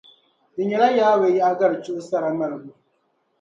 di nyɛla Yawɛ Yaɣigari chuɣu sara maligu.